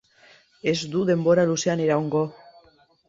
Ez du denbora luzean iraungo.